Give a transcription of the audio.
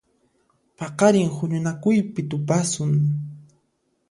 Paqarin huñunakuypi tupasun.